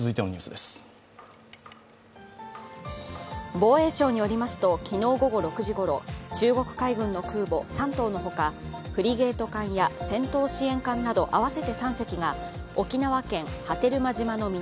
防衛省によりますと昨日午後６時頃、中国海軍の空母「山東」のほかフリゲート艦や戦闘支援艦など合わせて３隻が沖縄県波照間島の南